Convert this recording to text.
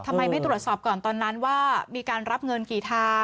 ทำไมไม่ตรวจสอบก่อนตอนนั้นว่ามีการรับเงินกี่ทาง